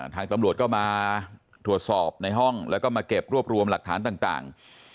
ทางตำรวจก็มาตรวจสอบในห้องแล้วก็มาเก็บรวบรวมหลักฐานต่าง